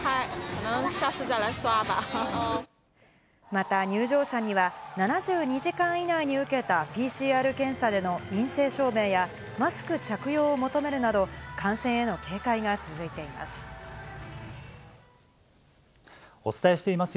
また、入場者には７２時間以内に受けたＰＣＲ検査での陰性証明や、マスク着用を求めるなど、感染への警戒が続いています。